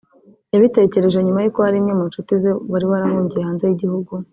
yabitekereje nyuma y’uko hari imwe mu ncuti ze wari warahungiye hanze y’igihugu